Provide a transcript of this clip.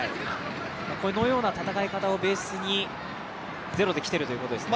このような戦い方をベースにゼロで来ているということですね。